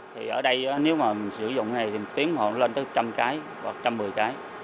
thì ở đây nếu mà mình sử dụng cái này thì một tiếng một hộ lên tới một trăm linh cái hoặc một trăm một mươi cái